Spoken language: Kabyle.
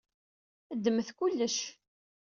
Ddmet kullec.